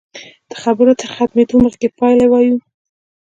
د خبرو تر ختمېدو مخکې پایله وایو.